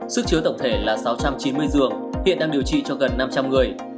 sức chứa tổng thể là sáu trăm chín mươi giường hiện đang điều trị cho gần năm trăm linh người